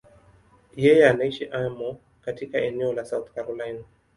Yeye anaishi Irmo, katika eneo la South Carolina.